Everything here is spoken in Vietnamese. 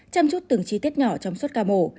chăm chút từng chi tiết nhỏ trong suốt ca mổ